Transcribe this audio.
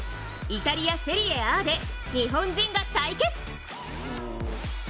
イタリア、セリエＡで日本人が対決。